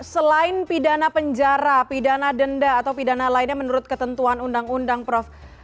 selain pidana penjara pidana denda atau pidana lainnya menurut ketentuan undang undang prof